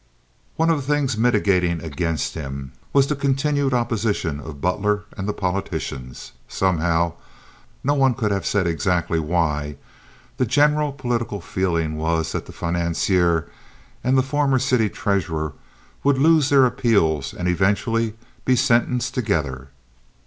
One of the things militating against him was the continued opposition of Butler and the politicians. Somehow—no one could have said exactly why—the general political feeling was that the financier and the former city treasurer would lose their appeals and eventually be sentenced together.